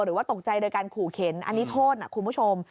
หรือว่าตกใจโดยการขู่เข็นอันนี้โทษนะคุณผู้ชม